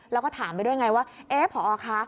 แล้วก็ถามไปด้วยไงว่าเอ๊ะพอคะ